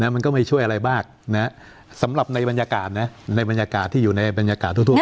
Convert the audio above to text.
มันก็ไม่ช่วยอะไรมากสำหรับในบรรยากาศนะในบรรยากาศที่อยู่ในบรรยากาศทั่ว